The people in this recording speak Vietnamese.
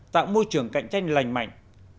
tạo môi trường cạnh tranh lành mạnh